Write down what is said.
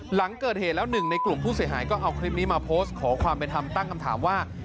หลังเกิดเหตุแล้วหนึ่งในกลุ่มผู้เสียหายก็เอาคลิปนี้มาโพสต์ขอความเป็นธรรมตั้งคำถามว่า